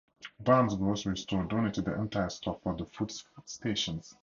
Bahn's Grocery Store donated their entire stock for the food stations.